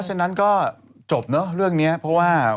ฉะนั้นก็จบเนอะเรื่องนี้เพราะว่า